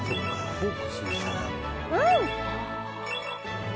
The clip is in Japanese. うん！